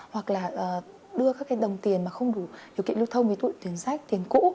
hoặc là đưa các đồng tiền mà không đủ điều kiện lưu thông với tụi tiền sách tiền cũ